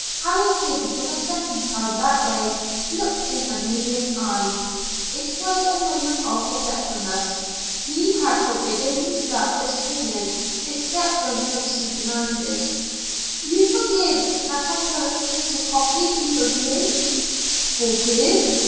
Harry King for the second time that day looked in Amalia's eyes. It was a moment of forgetfulness. He had forbidden himself this privilege except when courtesy demanded. "You forgive that I put little coffee in your drink?" "Forgive?